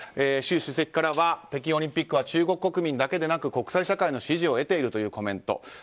習主席からは北京オリンピックは中国国民だけでなく国際社会の支持を得ているというコメント。